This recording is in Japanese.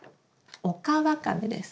オカワカメです。